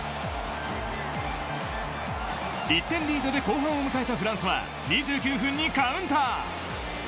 １点リードで後半を迎えたフランスは２９分にカウンター。